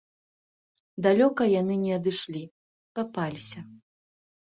Далёка яны не адышлі, папаліся.